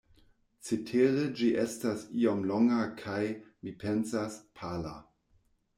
Cetere ĝi estas iom longa kaj, mi pensas, pala.